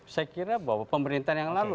saya kira bahwa pemerintahan yang lalu